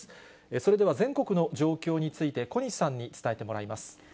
それでは、全国の状況について、小西さんに伝えてもらいます。